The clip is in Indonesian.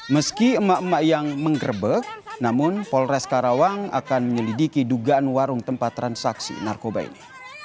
meski emak emak yang menggerbek namun polres karawang akan menyelidiki dugaan warung tempat transaksi narkoba ini